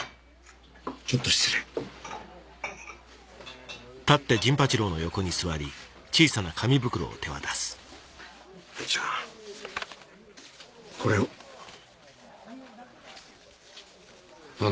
ちょっと失礼八っちゃんこれを何だ？